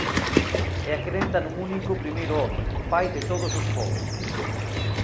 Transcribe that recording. E a crenza nun único primeiro home, pai de todos os pobos.